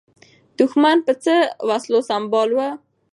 دښمن په څه وسلو سمبال و؟